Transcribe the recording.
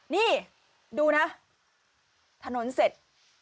นี่ดูนะถนนเสร็จ